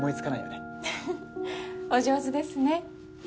うふお上手ですね。